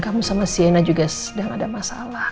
kamu sama siena juga sedang ada masalah